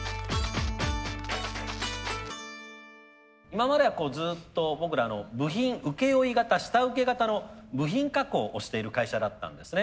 今までずっと僕ら部品請負型下請型の部品加工をしている会社だったんですね。